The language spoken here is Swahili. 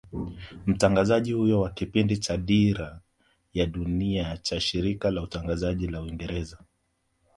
Mtangazaji huyo wa kipindi cha Dira ya Dunia cha Shirika la Utangazaji la Uingereza